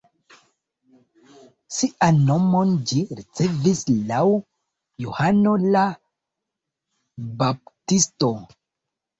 Sian nomon ĝi ricevis laŭ Johano la Baptisto.